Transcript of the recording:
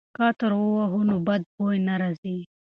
که عطر ووهو نو بد بوی نه راځي.